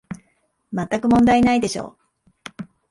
まったく問題ないでしょう